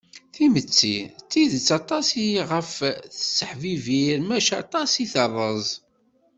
Timetti d tidet aṭas i ɣef tesseḥbiber maca aṭas i terreẓ.